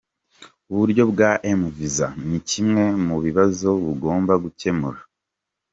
Uburyo bwa mVisa ni kimwe mu bibazo bugomba gukemura.